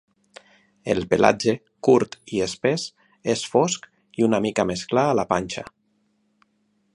El pelatge, curt i espès, és fosc i una mica més clar a la panxa.